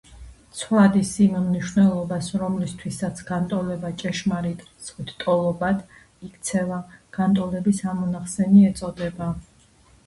ცვლადის იმ მნიშვნელობას, რომლისთვისაც განტოლება ჭეშმარიტ რიცხვით ტოლობად იქცევა, განტოლების ამონახსენი ეწოდება.